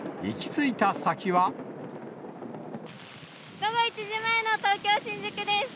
午後１時前の東京・新宿です。